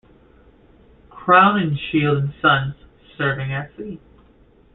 Crowninshield and Sons, serving at sea.